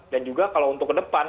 dan juga kalau untuk ke depan